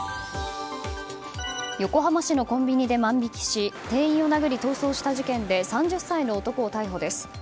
横浜市のコンビニで万引きし店員を殴り逃走した事件で３０歳の男を逮捕です。